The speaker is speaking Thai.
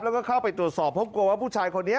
แล้วก็เข้าไปตรวจสอบเพราะกลัวว่าผู้ชายคนนี้